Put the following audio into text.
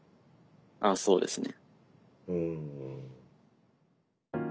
ああそうですね。